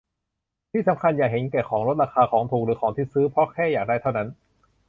ที่สำคัญอย่าเห็นแก่ของลดราคา ของถูก หรือของที่ซื้อเพราะแค่อยากได้เท่านั้น